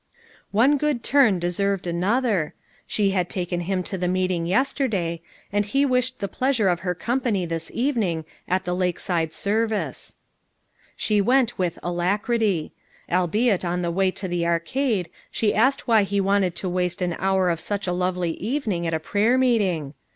"One good turn deserved another," she had taken him to the meeting yesterday, and he wished the pleasure of her company this even ing at the Lakeside service. She went with alacrity; albeit on the way to the arcade she asked why he wanted to waste an hour of such 364 FOUR MOTHEES AT CHAUTAUQUA a lovely evening at a prayer meeting.